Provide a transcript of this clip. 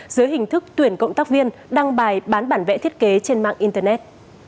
dưới hình thức tuyển cộng tác viên đăng bài bán bản vẽ thiết kế trên mạng internet